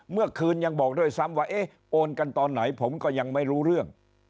เมื่อคืนยังบอกด้วยซ้ำว่าเอ๊ะโอนกันตอนไหนผมก็ยังไม่รู้เรื่อง